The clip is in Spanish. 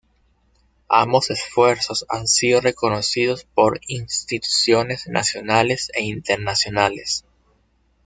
Ambos esfuerzos han sido reconocidos por instituciones nacionales e internacionales.